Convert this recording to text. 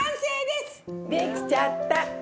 できちゃった。